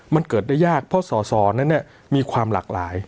มันเกิดได้ยากเพราะสอสอนั้นมีความหลากหลาย